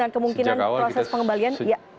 dan kemudian tidak akan ada kemungkinan proses pengembalian